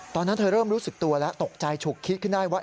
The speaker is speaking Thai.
ตอนนั้นเธอเริ่มรู้สึกตัวแล้วตกใจฉุกคิดขึ้นได้ว่า